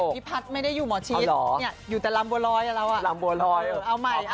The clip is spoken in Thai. พี่พัฏไม่ได้อยู่ในของดุน้องหมอชิส